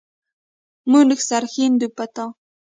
مونږ سر ښندو په تا